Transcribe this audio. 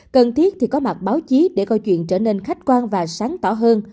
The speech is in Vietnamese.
cần thiết thì có mặt báo chí để coi chuyện trở nên khách quan và sáng tỏa hơn